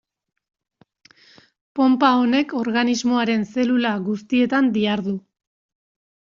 Ponpa honek organismoaren zelula guztietan dihardu.